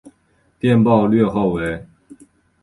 电报略号为。